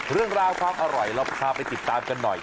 เรื่องราวความอร่อยเราพาไปติดตามกันหน่อย